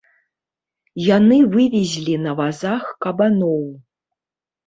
Яны везлі на вазах кабаноў.